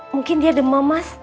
mungkin dia demam mas